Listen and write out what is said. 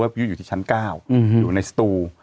พี่ยุทธ์อยู่ที่ชั้น๙อยู่ในสตู